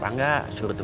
pangga sebentar lagi